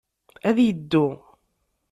Ad yeddu.